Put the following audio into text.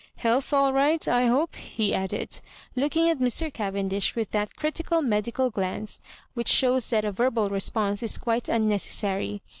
" Health all right, I hope?" he added, looking at Mr. Cavendish with that critical medical glance which shows that a verbal response is quite un necessary.